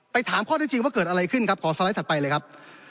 ถามข้อที่จริงว่าเกิดอะไรขึ้นครับขอสไลด์ถัดไปเลยครับ